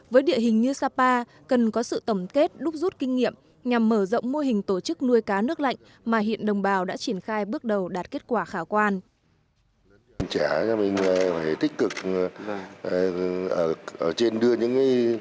với địa hình như sapa cần có sự tổ chức nuôi cá nước lạnh mà hiện đồng bào đã triển khai bước đầu đạt kết quả khả quan